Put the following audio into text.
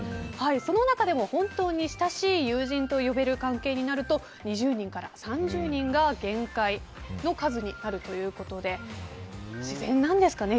その中でも本当に親しい友人と呼べる関係になると２０人から３０人が限界の数になるということで自然なんですかね